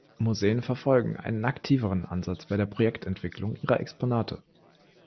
Museen verfolgen einen aktiveren Ansatz bei der Projektentwicklung ihrer Exponate.